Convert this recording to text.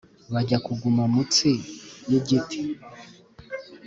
bajya kugama mutsi yi giti